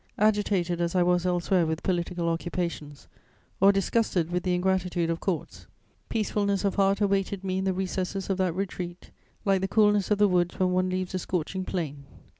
Agitated as I was elsewhere with political occupations, or disgusted with the ingratitude of Courts, peacefulness of heart awaited me in the recesses of that retreat, like the coolness of the woods when one leaves a scorching plain.